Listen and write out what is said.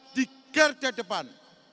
di kerja depan